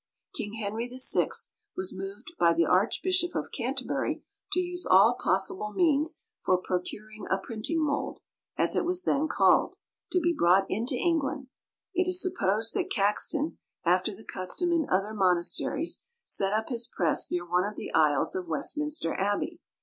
King Henry VI. was moved by the Archbishop of Canterbury to use all possible means for procuring a printing mould, as it was then called, to be brought into England. It is supposed that Caxton, after the custom in other monasteries, set up his press near one of the aisles of Westminster Abbey.